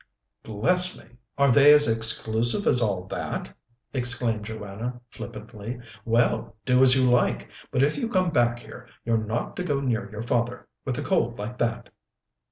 "Bless me! are they as exclusive as all that?" exclaimed Joanna flippantly. "Well, do as you like, but if you come back here, you're not to go near your father, with a cold like that."